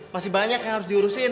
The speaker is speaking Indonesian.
masih banyak yang harus diurusin